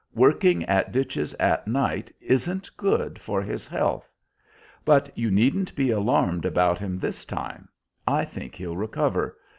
Working at ditches at night isn't good for his health. But you needn't be alarmed about him this time; I think he'll recover.